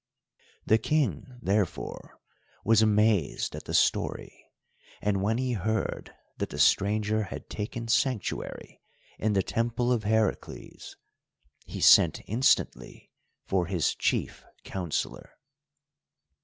The King, therefore, was amazed at the story, and when he heard that the stranger had taken sanctuary in the Temple of Heracles, he sent instantly for his chief counsellor.